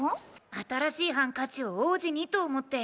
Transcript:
新しいハンカチを王子にと思って。